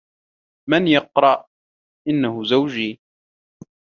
من يقرع؟ "إنّه زوجي!"